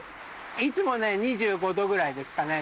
いつもね２５度ぐらいですかね